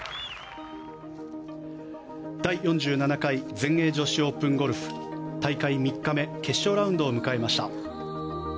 第４７回全英女子オープンゴルフ大会３日目、決勝ラウンドを迎えました。